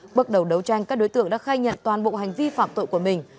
bước đầu đấu tranh các đối tượng đã khai nhận toàn bộ hành vi phạm tội của mình